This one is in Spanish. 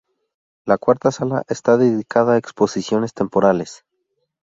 La cuarta sala está dedicada a exposiciones temporales.